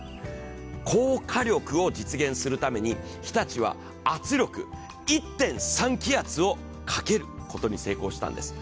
高火力を実現するために日立は圧力１．３気圧をかけることに成功したんです。